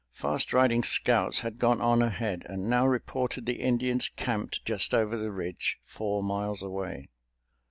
Fast riding scouts had gone on ahead, and now reported the Indians camped just over the ridge, four miles away.